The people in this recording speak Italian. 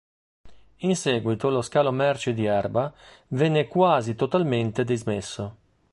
In seguito lo scalo merci di Erba venne quasi totalmente dismesso.